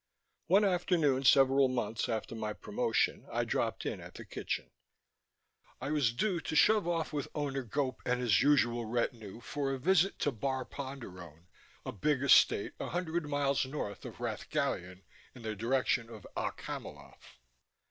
One afternoon several months after my promotion I dropped in at the kitchen. I was due to shove off with Owner Gope and his usual retinue for a visit to Bar Ponderone, a big estate a hundred miles north of Rath Gallion in the direction of Okk Hamiloth.